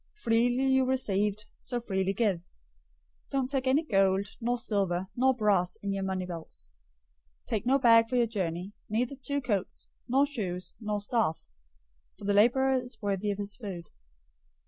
Freely you received, so freely give. 010:009 Don't take any gold, nor silver, nor brass in your money belts. 010:010 Take no bag for your journey, neither two coats, nor shoes, nor staff: for the laborer is worthy of his food.